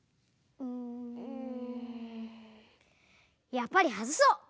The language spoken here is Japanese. やっぱりはずそう！